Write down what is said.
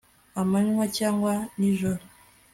amanywa cyangwa nijoro